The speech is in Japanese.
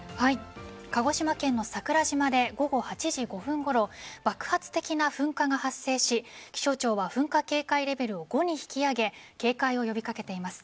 鹿児島県の桜島で午後８時５分ごろ爆発的な噴火が発生し気象庁は噴火警戒レベルを５に引き上げ警戒を呼びかけています。